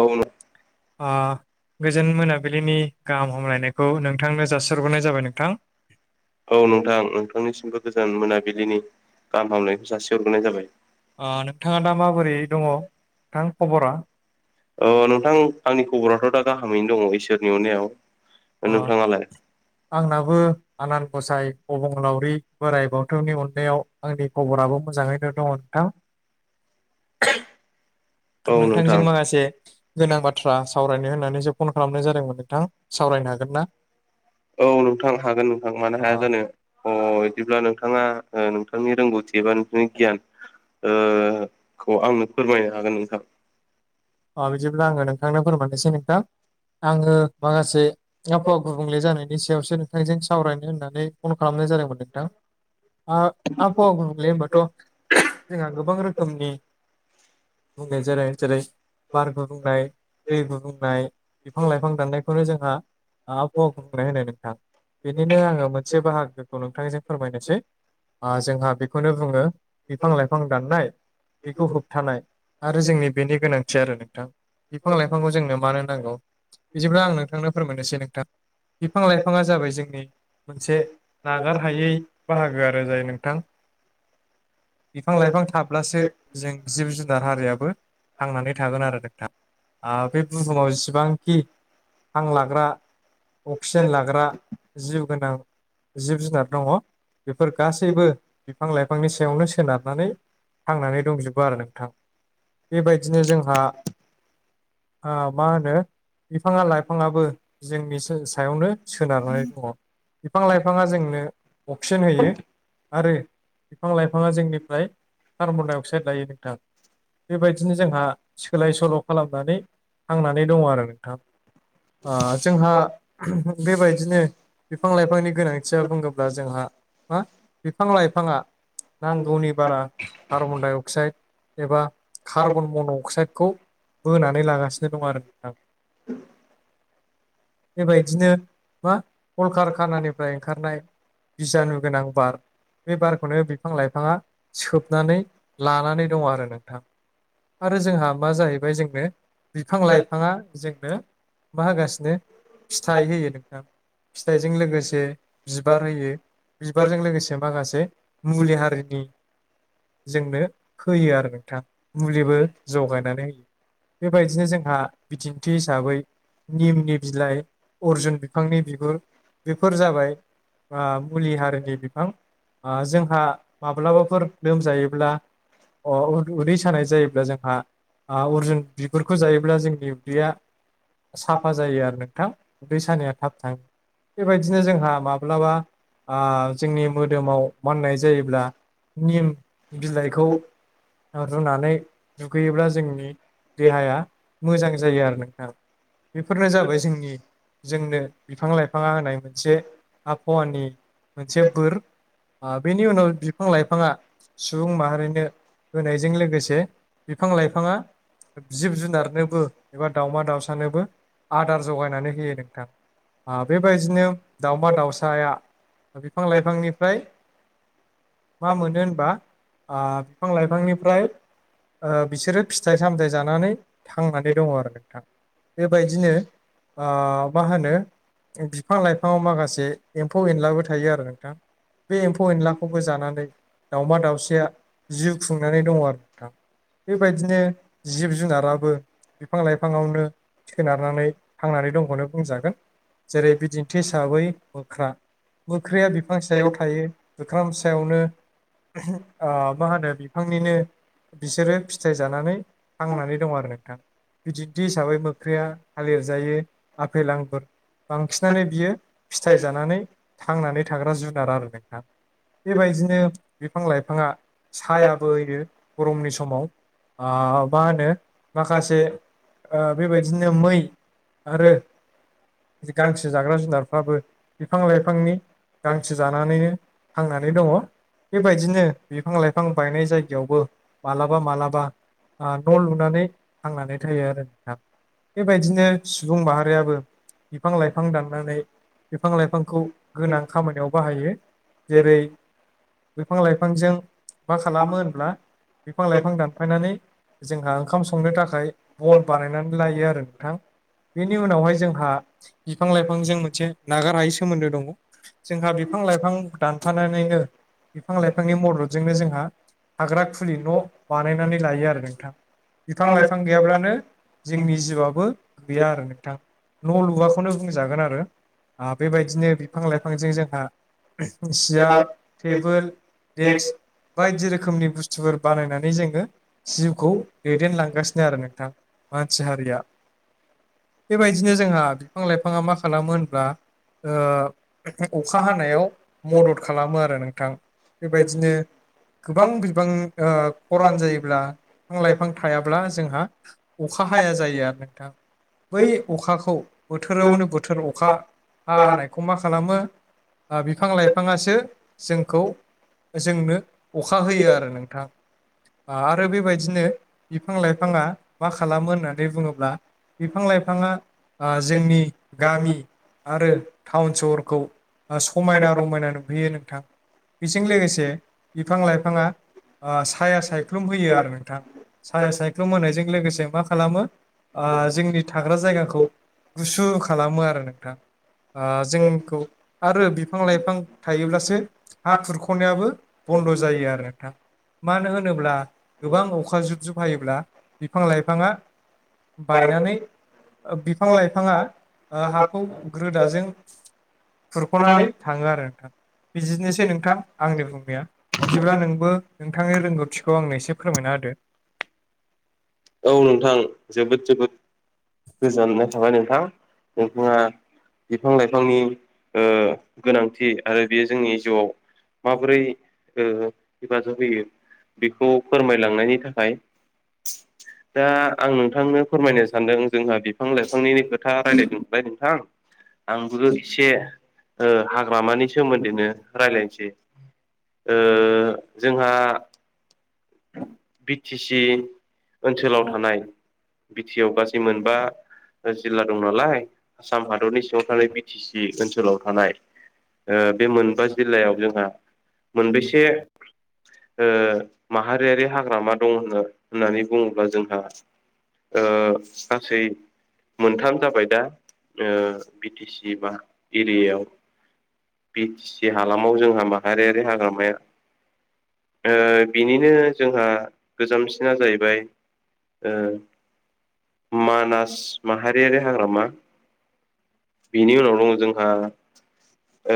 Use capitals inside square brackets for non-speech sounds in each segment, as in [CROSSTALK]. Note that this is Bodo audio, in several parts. औ ओ गोजोन मोनाबिलिनि गाहाम हामलायनाय खौ नोंथांनो जासिहरग्रोनाय जाबाय नोंथां। औ नोंथां नोंथांनिसिमबो गोजान मोनाबिलिनि गाहाम हामलायनायखौ जासि हरग्रोनाय जाबाय। ओ नोंथाङा दा माबोरै दङ नोंथां खबरा? औ नोंथां आंनि खबराथ' दा गाहामैनो दङ इसोरनि अननायाव। अ। नोंथाङालाय आंनाबो आनान गसाइ अबंलावरि बोराय बाथौनि अननायाव आंनि खबराबो मोजाङैनो दङ नोंथां। औ नोंथां नोंथांजों माखासे गोनां बाथ्रा सावरायनो होननानैसो फन खालामनाय जादोंमोन नोंथां सावरायनो हागोन ना? औ नोंथां हागोन नोंथां मानो हाया जानो अ बिदिब्ला नोंथाङा नोंथांनि रोंगौथि एबा नोंसनि गियान ओ खौ आंनो फोरमायनो हागोन नोंथां। अ बिदिब्ला आङो नोंथांनो फोरमायनोसै नोंथां। आङो माखासे आबहावा गुबुंले जानायनि सि सायावसो नोंथांजों सावरायनो होननानै फन खालामनाय जादोंमोन नोंथां। आ-आबहावा गुबुंले होनोमबाथ' जोंहा गोबां रोखोमनि बुंनाय जादों जेरै बार गुबुंनाय दै गुबुंनाय बिफां लाइफां दाननायखौनो जोंहा आबहावा गुबुंनाय होनो नोंथां। बेनिनो आङो मोनसे बाहागोखौ नोंथांजों फोरमायनोसै। ओ जोंहा बेखौनो बुङो बिफां लाइफां दाननाय बेखौ होबथानाय आरो जोंनि बेनि गोनां सै आरो नोंथां बिफां लाइफांखौ जोंनो मानो नांगौ बिदिब्ला आं नोंथांनो फोरमायनोसै नोंथां। बिफां लाइफाङा जाबाय जोंनि मोनसे नागार हायै बाहागो आरो जाय नोंथां बिफां लाइफां थाब्लासो जों जिब जुनार हारियाबो थांनानै थागोन आरो नोंथा ओ बे बुहुमाव जसेबांखि हां लाग्रा अक्सिजेन लाग्रा जिउ गोनां जिब जुनार दङ बेफोर गासैबो बिफां लाइफांनि सायावनो सोनारनानै थांनानै दंजोबो आरो नोंथां बेबायदिनो जोंहा ओ माहोनो बिफाङा लाइफाङाबो जोंनि सायावनो सोनारनानै दङ। बिफां लाइफाङा जोंनो अक्सिजेन होयो आरो बिफां लाइफाङा जोंनिफ्राय कार्बन डाइ अक्साइड लायो नोंथां बेबायदिनो जोंहा सोलाय सोल' खालामनानै थांनानै दङ आरो नोंथां ओ जोंहा बेबायदिनो बिफां लाइफांनि गोनांथिया बुङोब्ला जोंहा हा बिफां लाइफांङा नांगौनि बारा कार्बनडाइ अक्साइड एबा कार्बन मन' अक्साइड खौ बोनानै लागासिनो दं आरो नोंथां बेबायदिनो मा कलकारखानानिफ्राय ओंखारनाय बिजानु गोनां बार बे बारखौनो बिफां लाइफाङा सोबनानै लानानै दङ आरो नोंथां आरो जोंहा मा जाहैबाय जोंनो बिफां लाइफाङा जोंनो मा होगासिनो फिथाइ होयो नोंथां फिथाइजों लोगोसे बिबार होयो बिबारजों लोगोसे माखासे मुलि हारिनि जोंनो होयो आरो नोंथां मुलिबो जगाय नानै बेबायदिनो जोंहा बिदिन्थि हिसाबै निमनि बिलाइ अरजुन बिफांनि बिगुर बेफोर जाबाय आं मुलि हारिनि बिफां जोंहा माब्लाबाफोर लोमजायोब्ला अ उ उदै सानाय जायोब्ला जोंहा अ अरजुन बिगुरखौ जायोब्ला जोंनि उदैया साफा जायो आरो नोंथां उदै सानाया थाब थाङो बेबायदिनो जोंहा माब्लाबा आ जोंनि मोदोमाव माननाय जायोब्ला निम बिलाइखौ रुनानै दुगैयोब्ला जोंनि देहाया मोजां जायो आरो नोंथां बेफोरनो जाबाय जोंनि जोंनो बिफां लाइफाङा होनाय मोनसे आबहावानि मोनसे बोर बेनि उनाव बिफां लाइफाङा सुबुं माहारिनो होनायजों लोगोसे बिफां-लाइफांङा जिब जुनारनोबो एबा दावमा दावसानोबो आदार जगायनानै होयो नोंथां आ बेबायदिनो दावमा दावसाया बिफां -लाइफांनिफ्राय मा मोनो होनबा आ बिफां लाइफांनिफ्राय ओ बिसोरो फिथाइ सामथाइ जानानै थांनानै दङ आरो नोंथां बेबायदिनो मा होनो बिफां लाइफांङाव माखासे एम्फौ एनलाबो थायो आरो नोंथां बे एम्फौ एनलाखौबो जानानै दाउमा दाउसाया जिउ खुंनानै दङ आरो नोंथां बेबायदिनो जिब जुनाराबो बिफां लाइफाङावनो सोनारनानै थांनानै दंखौनो बुंजागोन जेरै-बिदिन्थि हिसाबै मोख्रा मोख्राया बिफां सायाव थायो बोख्राम सायावनो ओ मा होनो बिफांनिनो बिसोरो फि फिथाय जानानै थांनानै दं आरो नोंथां बिदिन्थि हिसाबै मोख्राया थालिर जायो आफेल आंगुर बांसिनानो बियो फिथाइ जानानै थांनानै थाग्रा जुनार आरो नोंथा बेबायदिनो बिफां लाइफाङा सायाबो होयो गरमनि समाव आ मा होनो माखासे ओ बेबायदिनो मै आरो गांसो जाग्रा जुनारफ्राबो बिफां लाइफांनि गांसो जानानैनो थांनानै दङ बेबायदिनो बिफां लाइफां बायनाय जायगायावबो मालाबा मालाब बा न' लुनानै थांनानै थायो आरो बेबायदिनो सुबुं माहारियाबो बिफां लाइफां दाननानै बिफां लाइफांखौ गोनां खामानियाव बाहायो जेरै' बिफां लाइफांजों मा खालामो होनब्ला बिफां लाइफां दान फायनानै जोंहा ओंखाम संनो थाखाय बन बानायनानै लायो आरो नोंथां। बेनि उनावहाय जोंहा बिफां लाइफांजों मोनसे नागारायै सोमोन्दो दङ। जोंहा बिफां लाइफां दानफानानैनो बिफां लाइफांनि मददजोंनो जोंहा हाग्रा खुलि न' नानै लायो आरो नोंथां बिफां लाइफां गैयाब्लानो जोंनि जिउआबो गैया आरो नोंथां न' लुवखौनो बुंजागोन आरो। आ बेबायदिनो बिफां लाइफांजों जोंहा सियार थेबोल देक्स बायदि रोखोमनि बुस्तुफोर बानायनानै जों हो जिउखौ दैदेन लांगासिनो आरो नोंथां मानसि हारिया बेबायदिनो जोंहा बिफां लाइफाङा मा खालामो होनब्ला ओ अखा हानायाव मदद खालामो आरो नोंथां। बेबायदिनो गोबां बिबां ओ खरान जायोब्ला बिफां लाइफां थायाब्ला जोंहा अखा हाया जायो आरो नोंथां। बै अखाखौ बोथोरावनो बोथोर अखा हा हाहोनायखौ मा खालामो आ‌ बिफां लाइफाङासो जोंखौ जोंनो अखा होयो आरो नोंथां। आ आरो बेबायदिनो बिफां लाइफाङा मा खालामो होननानै बुङोब्ला बिफां लाइफाङा आ जोंनि गामि आरो टाउन सहरखौ आ समायना रमायना नुहैयो नोंथां। बेजों लोगोसे बिफां लाइफाङा आ साया सायख्लुम होयो आरो नोंथां। साया सायख्लुम होनायजों लोगोसे मा आ जोंनि थाग्रा जायगाखौ गुसु खालामो आरो नोंथां। आ‌ जोंखौ आरो बिफां लाइफां थायोब्लासो हा खुरख'नायाबो बन्द' जायो आरो नोंथां मानो होनोब्ला गोबां अखा जुब जुब हायोब्ला बिफां लाइफाङा बायनानै बिफां लाइफाङा ओ हाखौ ग्रोदाजों खुरख'नानै थाङो आरो नोंथां बिजिनोसै नोंथां आंनि बुंनाया बिदिब्ला नोंबो नोंथांनि रोंगौथिखौ आंनो एसे फोरमायना होदो? औ नोंथां जोबोद जोबोद गोजोननाय थाबाय नोंथां नोंथाङा बिफां लाइफांनि ओ गोनांथि आरो बेयो जोंनि जिउआव माबोरै ओ हेफाजाब होयो बेखौ फोरमायलांनायनि थाखाय दा आं नोंथांनो फोरमायनो सानदों जोंहा बिफां लाइफांनि खोथा रायलायदों बाय नोंथां आंबो एसे हाग्रामानि सोमोन्दैनो रायलायनोसै ओ जोंहा बि टि सि ओनसोलाव थानाय बि टि आ गासै मोनबा जिल्ला दं नालाय आसाम हादरनि सिङाव थानाय बि टि सि ओनसोलाव थानाय ओ बे मोनबा जिल्लायाव जोंहा मोनबेैसे मोनसे ओ माहारियारि हाग्रामा दं होनो होननानै बुङोब्ला जोंहा ओ साख्रि मोनथाम जाबाय दा ओ बि टि सि बा एरियायाव बि टि सि हालामाव जोंहा माहारियारि हाग्रामाया ओ बिनिनो जोंहा गोजामसिना जाहैबाय ओ। मानास माहारियारि हाग्रामा बिनि उनाव जोंहा ओ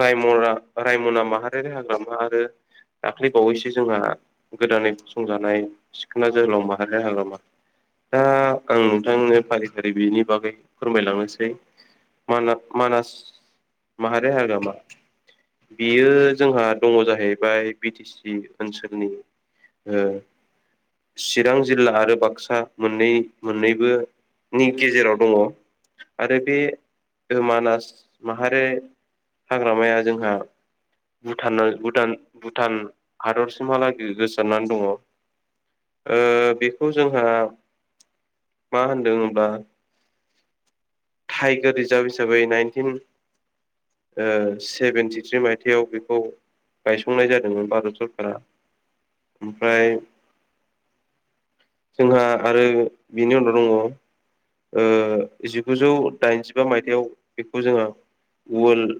रायमना रायमना माहारिारि हाग्रामा आरो दाख्लैबावैसो जोंहा गोदानै गसंजानाय सिखोना जोहोलाव माहारि हाग्रामा दा आं नोंथांनो फारि फारि बेनि बागै फोरमायलांनोसै मानास मानास माहारे हाग्रामा बियो जोंहा दङ जाहैबाय बि टि सि ओनसोलनि ओ चिरां जिल्ला आरो बाक्सा मोननै मोननैबो नि गेजेराव दङ आरो बे मानास माहारि हाग्रामाया जोंहा भुटान भुट भुटान हादरसिमहालागै गोसारनानै दङ ओ बेखौ जोंहा मा होनदों होनोब्ला टाइगार रिजार्भ हिसाबै नाइनटिन ओ सेभेनटिथ्रि मायथाइयाव बेखौ गायसंनाय जादोंमोन भारत सरकारा ओ ओमफ्राय जोंहा आरो बिनि उनाव दङ। ओ जिगुजौ दाइनजिबा मायथाइयाव बेखौ जोङो गुबुन वर्ल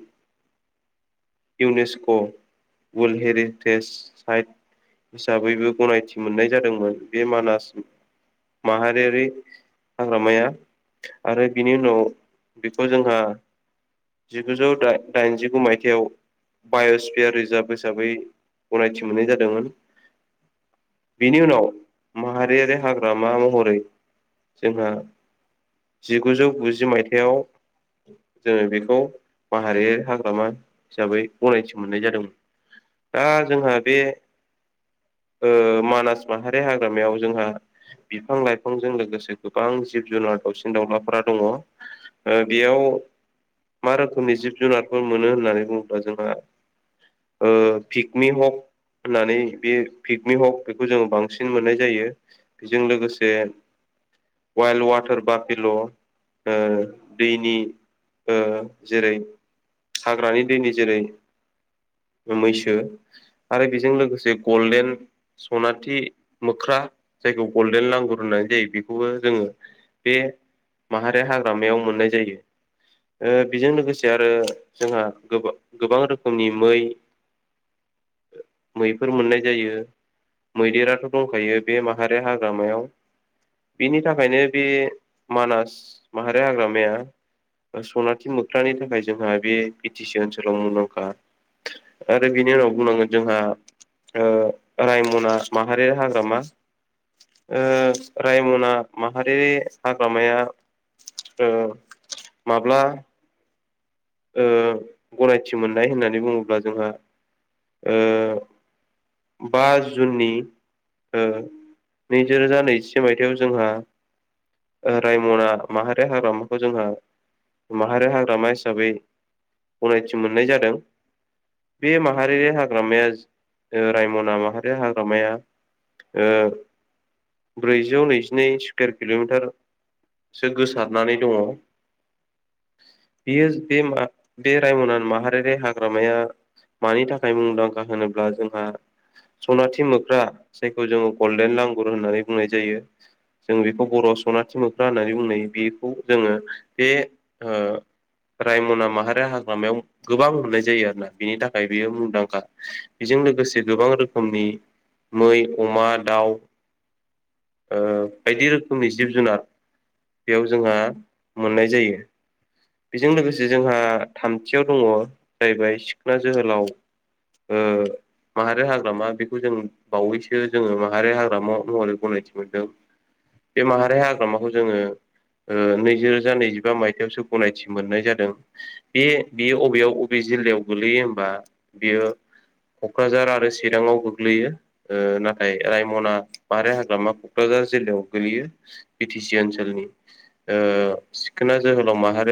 इउनेस्क' वर्ल्ड हेरिटेज साइद हिसाबैबो गनायथि मोननाय जादोंमोन बे मानास माहारियारि हाग्रामाया आरो बिनि उनाव बेखौ जोंहा जिगुजौ दाइनजिगु मायथाइयाव बाय'स्पियार रिजार्भ हिसाबै गोनांथि मोननाय जादोंमोन। बिनि उनाव माहारियारि हाग्रामा महरै जोंहा जिगुजौ गुजि मायथाइाव जोङो बेखौ हाग्रामा हिसाबै मोननाय जादोंमोन। दाजोंहा बे ओ मानास माहारि हाग्रामायाव जोंहा बिफां लाइफांजों लोगोसे गोबां जिब जुनार दावसिन दावउलाफोरा दङ। ओ बेयाव मा रोखोमनि जिब जुनारफोर मोनो होननानै बुङोब्ला जोंहा ओ फिक पिकमि हक होननानै बे पिकमि हक बेखौ जोङो बांसिन मोननाय जायो। बेजों लोगोसे वाइल्ड वाटार बा पल' ओ दैनि ओ जेरै हाग्रानि दैनि जेरै मैसो ओरो बेजों लोगोसे गल्डेन सनाथि मोख्रा जायखौ गल्डेन नांगुर होननानै जायो बेखौबो जोङो। बे माहारि हाग्रामायाव मोननाय जायो। ओ बेजों लोगोसे आरो जोंहा गो गोबां रोखोमनि मै मैफोर मोननाय जायो मैदेराथ' दंखायो बे माहारि हाग्रामायाव बिनि थाखायनो बे मानास माहारि हाग्रामाया सनाथि मोख्रानि थाखाय जोंहा बे बि टि सि ओनसोलाव मुंदांखा आरो बिनि उनाव बुंनांगोन जोंहा ओ रायमना माहारि हाग्रामा ओ रायमना माहारिारि हाग्रामाया औ माब्ला ओ गनायथि मोननाय होननानै बुङोब्ला जोंहा ओ बा जुननि ओ नैजिरोजा नैजिसे मायथाइयाव जोंहा ओ रायमना माहारि हाग्रामाखौ जोंहा माहारि हाग्रामा हिसाबै गनायथि मोननाय जादों। बे माहारिरि हाग्रामाया ओ रायमना माहारि हाग्रामाया ओ ब्रैजौ नैजिनै स्कुवेर किल'मिटार सो गोसारनानै दङ बियो [UNINTELLIGIBLE] बे रायमनान माहारियारि हाग्रामाया मानि थाखाय मुंदांखा होनोब्ला जोंहा सनाथि मोख्रा जायखौ जोङो गलडेन लांगुर होननानै बुंनाय जायो। जों बेखौ बर'आव सनाथि मोख्रा होननानै बुंनाय बेखौ जोङो बे ओ रायमना माहारियारि हाग्रामायाव गोबां मोननाय जायो आरोना बिनि थाखाय बेयो मुंदांखा बेजों लोगोसे गोबां रोखोमनि मै अमा दाउ ओ बायदि रोखोमनि जिब जुनार बेयाव जोंहा मोननाय जायो। बेजों लोगोसे जोंहा थामथियाव दङ' जाहैबाय सिखना जोहोलाव। ओ माहारि हाग्रामा बेखौ जों बावैसो जोङो माहारि हाग्रामा महरै गनायथि मोनदों। बे माहारि हाग्रामाखौ जोङो ओ नैजिरोजा नैजिबा मायथाइयावसो गनायथि मोननाय जादों। बे बियो अबेयाव अबे जिल्लायाव गोलैयो होमबा बियो क'क्रराझार आरो सिराङाव गोग्लैयो। ओ नाथाय रायमना माहारि हाग्रामा क'क्राझार जिल्लायाव गोलैयो। बि टि सि ओनसोलनि ओ सिखोना जोहोलाव माहारि